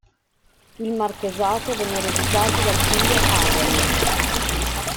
Il marchesato venne ereditato dal figlio Abel.